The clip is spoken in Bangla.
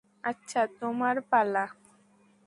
আচ্ছা, তোমার পালা।